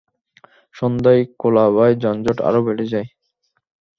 সন্ধ্যায় কোলাবায় যানজট আরও বেড়ে যায়।